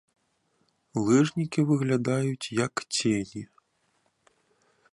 Лыжнікі выглядаюць як цені.